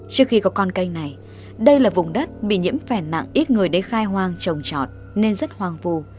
trước khi có con canh này đây là vùng đất bị nhiễm phèn nặng ít người đến khai hoang trồng trọt nên rất hoang vù